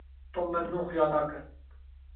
Tom memnûn xuya nake.